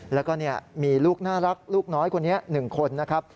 แล้วก็มีลูกน่ารักลูกน้อยคนนี้๑คนนะครับ